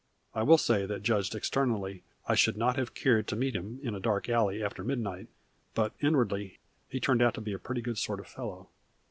I will say that judged externally I should not have cared to meet him in a dark alley after midnight; but inwardly he turned out to be a pretty good sort of fellow.